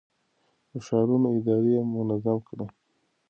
د ښارونو اداره يې منظم کړه.